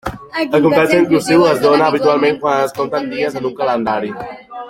El comptatge inclusiu es dóna habitualment quan es compten dies en un calendari.